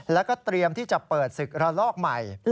แล้วก็เตรียมที่จะเปิดศึกระลอกใหม่